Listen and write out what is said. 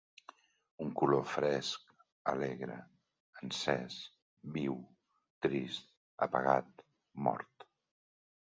Un color fresc, alegre, encès, viu, trist, apagat, mort.